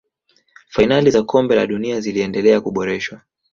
fainali za kombe la dunia ziliendelea kuboreshwa